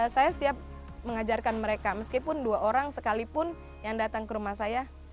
saya siap mengajarkan mereka meskipun dua orang sekalipun yang datang ke rumah saya